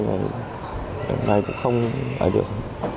hôm nay cũng không ở được